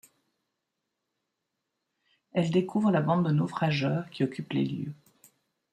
Elle découvre la bande de naufrageurs qui occupe les lieux.